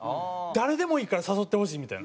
誰でもいいから誘ってほしいみたいな。